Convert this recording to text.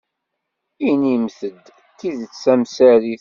Inimt-d tidet tamsarit.